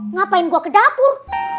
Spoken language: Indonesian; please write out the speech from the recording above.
ngapain gue ke dapur